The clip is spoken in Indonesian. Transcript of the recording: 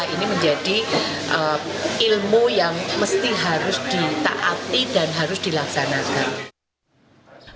ini menjadi ilmu yang mesti harus ditaati dan harus dilaksanakan